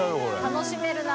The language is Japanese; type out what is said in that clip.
楽しめるな。